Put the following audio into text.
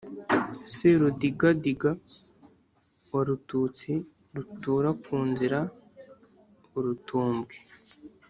Serudigadiga wa Rututsi rutura ku nzira. Urutumbwe.